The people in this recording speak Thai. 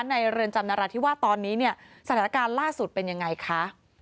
ในเรือนจำนราที่ว่าตอนนี้สถานการณ์ล่าสุดเป็นอย่างไรคะ